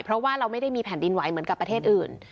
เพราะว่าเราไม่ได้มีแผ่นดินไหวเหมือนกับประเทศอื่น